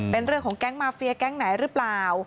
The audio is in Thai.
เป็นเรื่องของแก๊งมาเฟียแก๊งไหนหรือเปล่า